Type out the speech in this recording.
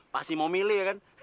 pasti mau milih kan